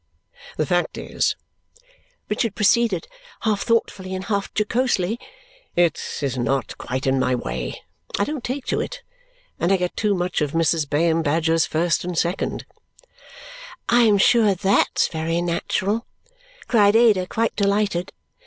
"The fact is," Richard proceeded, half thoughtfully and half jocosely, "it is not quite in my way. I don't take to it. And I get too much of Mrs. Bayham Badger's first and second." "I am sure THAT'S very natural!" cried Ada, quite delighted.